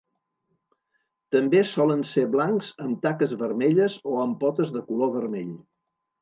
També solen ser blancs amb taques vermelles o amb potes de color vermell.